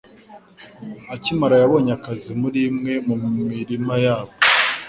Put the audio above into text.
Akimana yabonye akazi muri imwe mu mirima yaho.